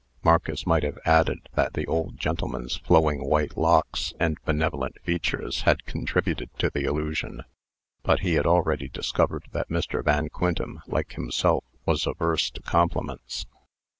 Marcus might have added, that the old gentleman's flowing white locks and benevolent features had contributed to the illusion; but he had already discovered that Mr. Van Quintem, like himself, was averse to compliments.